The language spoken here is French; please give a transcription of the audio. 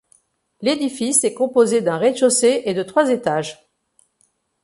L'édifice est composé d'un rez-de-chaussée et de trois étages.